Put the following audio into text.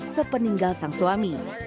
sepeninggal sang suami